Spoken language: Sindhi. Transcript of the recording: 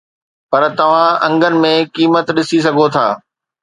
پر توهان انگن ۾ قيمت ڏسي سگهو ٿا